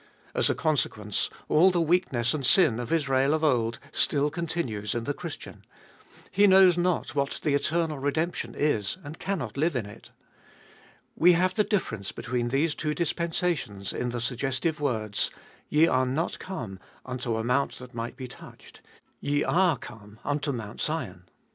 As a consequence, all the weakness and sin of Israel of old still continues in the Christian ; he knows not what the eternal redemption is, and cannot live in it. We have the difference between these two dispensations in the suggestive words : Ye are not come unto a mount that might be touched : Ye are come unto Mount Sion.